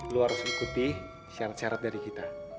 lo harus ikuti syarat syarat dari kita